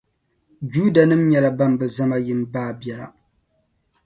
Judanim’ nyɛla bɛn bi ʒe ma yim baabiɛla.